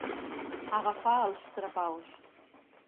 Agafar els trapaus.